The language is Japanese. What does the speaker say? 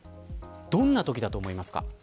どんなときだと思いますか。